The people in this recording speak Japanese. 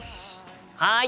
はい！